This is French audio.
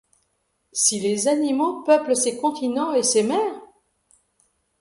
Si les animaux peuplent ces continents et ces mers ?